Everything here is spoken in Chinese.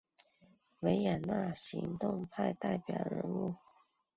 维也纳行动派代表人物。